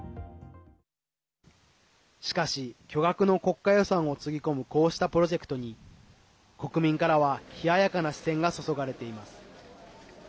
しかし、巨額の国家予算をつぎ込むこうしたプロジェクトに国民からは冷ややかな視線が注がれています。